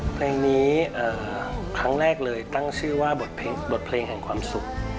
เพลงนี้ครั้งแรกเลยตั้งชื่อว่าบทเพลงแห่งความสุข